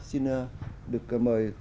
xin được mời